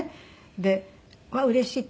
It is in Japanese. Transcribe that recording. で「わあうれしい」。